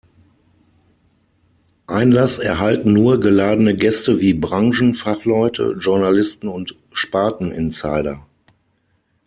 Einlass erhalten nur geladene Gäste wie Branchen-Fachleute, Journalisten und Sparten-Insider.